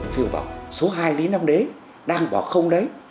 phiêu bảo số hai lý năm đế đang bỏ không đấy